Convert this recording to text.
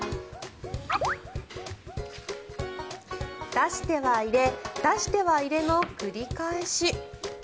出しては入れ、出しては入れの繰り返し。